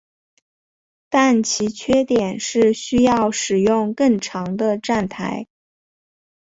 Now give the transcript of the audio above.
但其缺点是需要使用更长的站台。